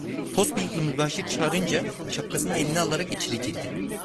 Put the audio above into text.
Pos bıyıklı mübaşir çağırınca şapkasını eline alarak içeri girdi.